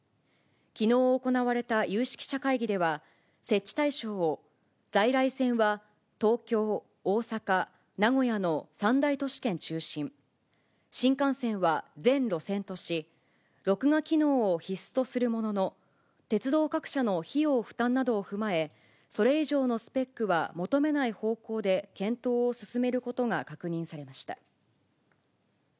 きのう行われた有識者会議では、設置対象を、在来線は東京、大阪、名古屋の三大都市圏中心、新幹線は全路線とし、録画機能を必須とするものの、鉄道各社の費用負担などを踏まえ、それ以上のスペックは求めない方向で検討を進めることが確認されました。